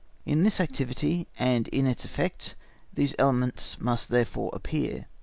In this activity and in its effects these elements must therefore, reappear.